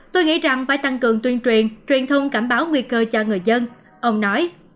tôi nghĩ rằng phải tăng cường tuyên truyền truyền thông cảnh báo nguy cơ cho người dân ông nói